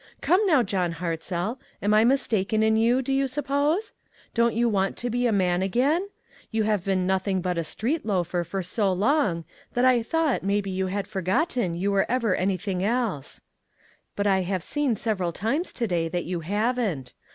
Come, now, John Hartzell, am I mistaken in you, do you suppose? Don't your want to be a man again ? You have been nothing but a street loafer for so long, that I thought maybe you had for gotten you were ever anything else ; but I. have seen several times to day that you haven't.